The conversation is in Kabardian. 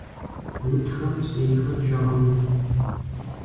Утхэм псейхэр щагъэув.